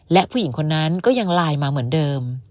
และผู้หญิงคนนั้นก็ยังไลน์มาเหมือนเดิม